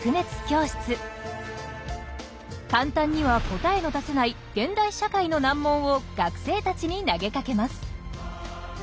簡単には答えの出せない現代社会の難問を学生たちに投げかけます。